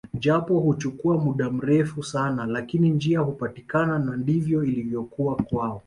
Japo huchukua muda mrefu sana lakini njia hupatikana na ndivyo ilivyokuwa kwao